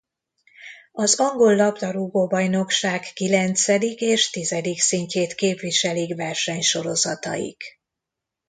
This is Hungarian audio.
Az angol labdarúgó-bajnokság kilencedik és tizedik szintjét képviselik versenysorozataik.